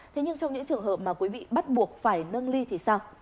thế nhưng trong những trường hợp mà quý vị bắt buộc phải nâng ly thì sao